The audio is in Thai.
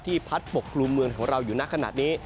พัดปกกลุ่มเมืองของเราอยู่ในขณะนี้